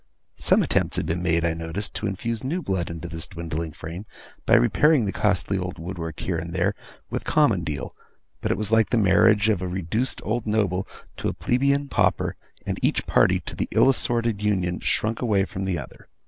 Some attempts had been made, I noticed, to infuse new blood into this dwindling frame, by repairing the costly old wood work here and there with common deal; but it was like the marriage of a reduced old noble to a plebeian pauper, and each party to the ill assorted union shrunk away from the other.